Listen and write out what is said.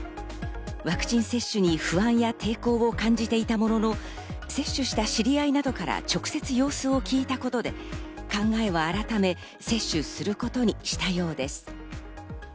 ワクチン接種に不安や抵抗を感じていたものの、接種した知り合いなどから直接様子を聞いたことで、考えを改め接種することにしたようです。